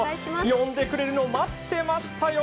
呼んでくれるのを待ってましたよ。